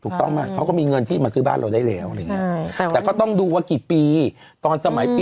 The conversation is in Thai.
เขาก็มีเงินที่มาซื้อบ้านเราได้แล้วแต่ก็ต้องดูว่ากี่ปีตอนสมัยปี